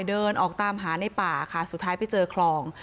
เดินออกตามหาในป่าค่ะสุดท้ายไปเจอคลอง